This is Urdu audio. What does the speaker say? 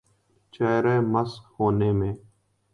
چہر ہ مسخ ہونے میں۔